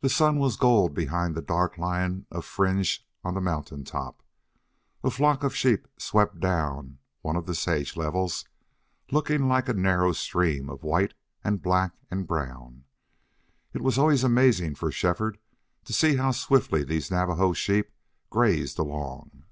The sun was gold behind the dark line of fringe on the mountain top. A flock of sheep swept down one of the sage levels, looking like a narrow stream of white and black and brown. It was always amazing for Shefford to see how swiftly these Navajo sheep grazed along.